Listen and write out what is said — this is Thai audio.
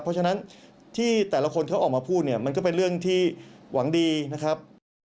เพราะฉะนั้นที่แต่ละคนเขาออกมาพูดเนี่ยมันก็เป็นเรื่องที่หวังดีนะครับ